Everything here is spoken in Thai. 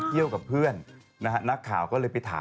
เดี๋ยวกลับมาคุณเต๋อชมใหม่นะ